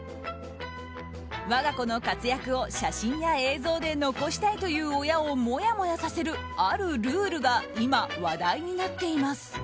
我が子の活躍を写真や映像で残したいという親をもやもやさせる、あるルールが今、話題になっています。